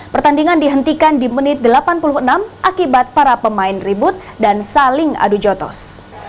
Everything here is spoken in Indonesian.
pertandingan dihentikan di menit delapan puluh enam akibat para pemain ribut dan saling adu jotos